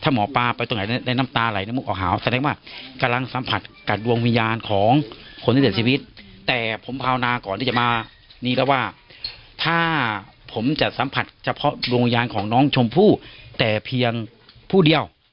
ถ้าหมอปลาไปตรงไหนในน้ำตาไหนน้ำมุกออกหาวแสดงว่ากำลังสัมผัสกับดวงวิญญาณของคนในตัดชาวชาวชาวโปรด